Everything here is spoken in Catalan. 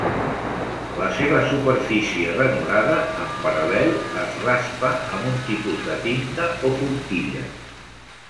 La seva superfície ranurada en paral·lel es raspa amb un tipus de pinta o forquilla.